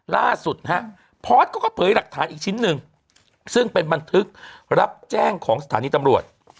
ล่าสุดนะฮะพอร์ตเขาก็เผยหลักฐานอีกชิ้นหนึ่งซึ่งเป็นบันทึกรับแจ้งของสถานีตำรวจ